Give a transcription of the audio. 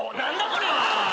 これは！